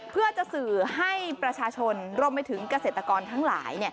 เพื่อจะสื่อให้ประชาชนรวมไปถึงเกษตรกรทั้งหลาย